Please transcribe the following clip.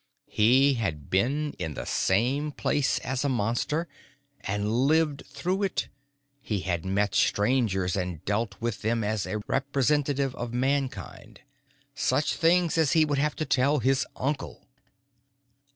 He had been in the same place as a Monster, and lived through it. He had met Strangers and dealt with them as a representative of Mankind. Such things as he would have to tell his uncle!